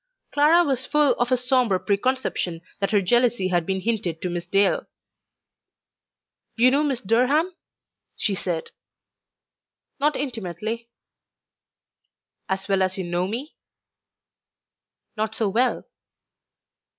Clara was full of a sombre preconception that her "jealousy" had been hinted to Miss Dale. "You knew Miss Durham?" she said. "Not intimately." "As well as you know me?" "Not so well."